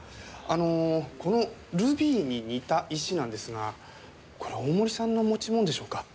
あのこのルビーに似た石なんですがこれ大森さんの持ち物でしょうか？